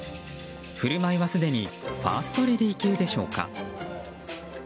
振る舞いはすでにファーストレディー級でしょうか。